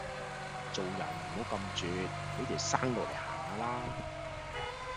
做人唔好咁絕俾條生路嚟行吓啦